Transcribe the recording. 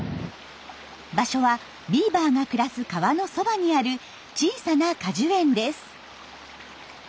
場所はビーバーが暮らす川のそばにある小さな果樹園です。